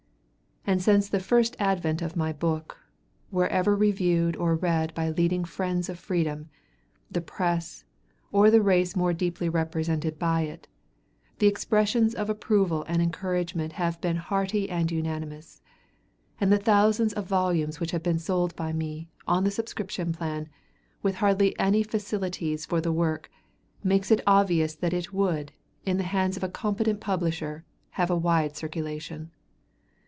And since the first advent of my book, wherever reviewed or read by leading friends of freedom, the press, or the race more deeply represented by it, the expressions of approval and encouragement have been hearty and unanimous, and the thousands of volumes which have been sold by me, on the subscription plan, with hardly any facilities for the work, makes it obvious that it would, in the hands of a competent publisher, have a wide circulation.